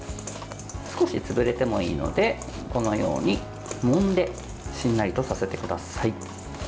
少し潰れてもいいのでこのようにもんでしんなりとさせてください。